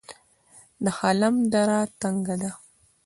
د خلم دره تنګه ده